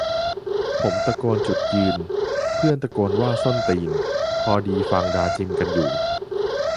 ผมตะโกนว่าจุดยืน เพื่อนตะโกนว่าส้นตีน พอดีฟังดาจิมกันอยู่